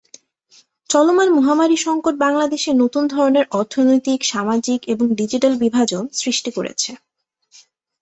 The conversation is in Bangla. চলমান মহামারী সঙ্কট বাংলাদেশে নতুন ধরনের অর্থনৈতিক, সামাজিক এবং ডিজিটাল বিভাজন সৃষ্টি করেছে।